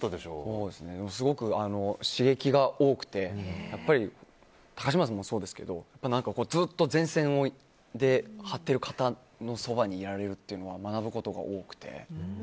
すごく刺激が多くてやっぱり高嶋さんもそうですけどずっと前線で張っている方のそばにいられるというのは学ぶことが多くて。